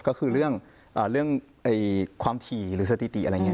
ก็คือเรื่องความถี่หรือสถิติอะไรอย่างนี้